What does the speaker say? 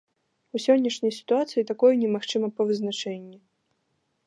У сённяшняй сітуацыі такое немагчыма па вызначэнні.